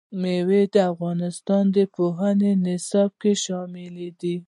مېوې د افغانستان د پوهنې په نصاب کې شامل دي.